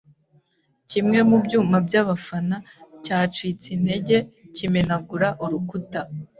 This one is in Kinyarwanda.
Kimwe mu byuma byabafana cyacitse intege kimenagura urukuta.